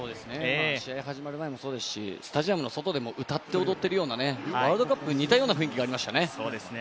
試合が始まる前もそうですしスタジアムの外でも歌って踊っているようなワールドカップと似たような雰囲気がありましたね。